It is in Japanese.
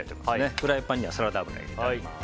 フライパンにサラダ油を入れてあります。